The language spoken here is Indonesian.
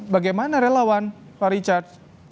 bagaimana relawan pak richard